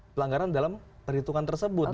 pelanggaran dalam perhitungan tersebut